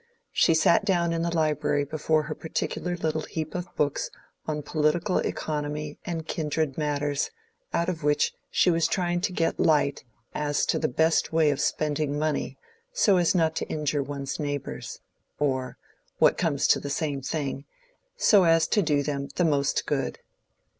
She sat down in the library before her particular little heap of books on political economy and kindred matters, out of which she was trying to get light as to the best way of spending money so as not to injure one's neighbors, or—what comes to the same thing—so as to do them the most good.